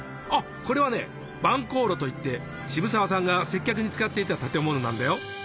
あっこれはね晩香廬といって渋沢さんが接客に使っていた建物なんだよ。